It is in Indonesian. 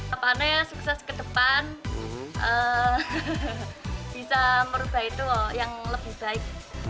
apa aneh sukses ke depan bisa merubah itu yang lebih baik